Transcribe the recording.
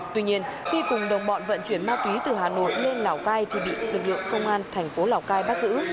tuy nhiên khi cùng đồng bọn vận chuyển ma túy từ hà nội lên lào cai thì bị lực lượng công an thành phố lào cai bắt giữ